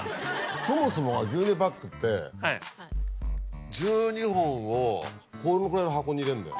そもそもが牛乳パックって１２本をこのくらいの箱に入れるんだよ。